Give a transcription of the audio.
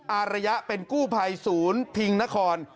อารยะเป็นกู้ภัยศูนย์พิงนคร